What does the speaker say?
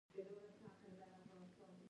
هغه څه چې لې لیان لري یا یې غواړي.